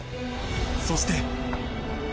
そして